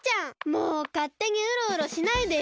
もうかってにうろうろしないでよ！